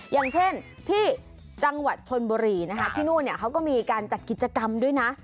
อย่างเช่นที่จังหวัดชนบุรีนะคะที่นู่นเขาก็มีการจัดกิจกรรมด้วยนะ